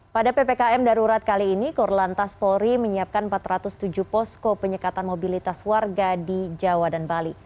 pada ppkm darurat kali ini korlantas polri menyiapkan empat ratus tujuh posko penyekatan mobilitas warga di jawa dan bali